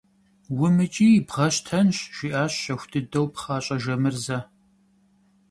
– УмыкӀий, бгъэщтэнщ, – жиӀащ щэху дыдэу пхъащӀэ Жамырзэ.